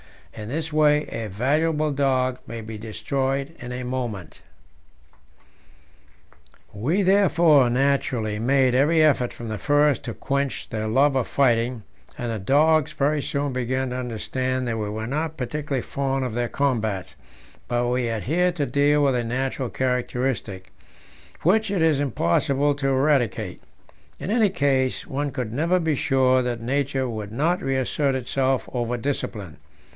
In this way a valuable dog may be destroyed in a moment. We therefore naturally made every effort from the first to quench their love of fighting, and the dogs very soon began to understand that we were not particularly fond of their combats; but we had here to deal with a natural characteristic, which it was impossible to eradicate; in any case, one could never be sure that nature would not reassert itself over discipline.